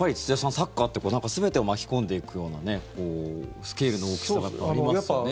サッカーって全てを巻き込んでいくようなスケールの大きさがありますね。